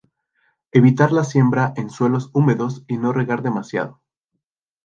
Evitar la siembra en suelos húmedos y no regar demasiado.